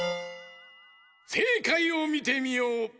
せいかいをみてみよう！